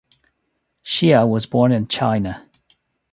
Hsia was born in China.